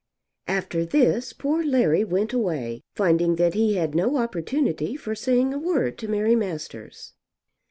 After this poor Larry went away, finding that he had no opportunity for saying a word to Mary Masters.